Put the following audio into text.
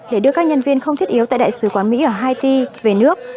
để đưa các nhân viên không thiết yếu tại đại sứ quán mỹ ở haiti về nước